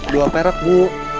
dua perak bu